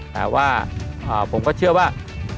แต่ว่าผมก็เชื่อว่า